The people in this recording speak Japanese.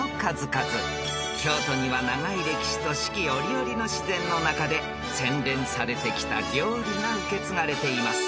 ［京都には長い歴史と四季折々の自然の中で洗練されてきた料理が受け継がれています］